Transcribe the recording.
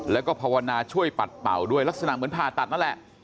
แล้วก็ภาวนาช่วยปัดเป่าด้วยลักษณะเหมือนผ่าตัดนั่นแหละ